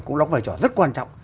cũng đóng vai trò rất quan trọng